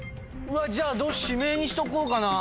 じゃあ「指名」にしとこうかな。